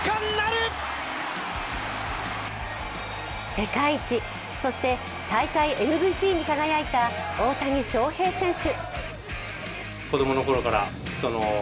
世界一、そして大会ＭＶＰに輝いた大谷翔平選手。